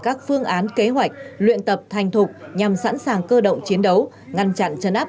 các phương án kế hoạch luyện tập thành thục nhằm sẵn sàng cơ động chiến đấu ngăn chặn chấn áp